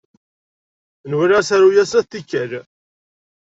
Nwala asaru-a snat n tikkal.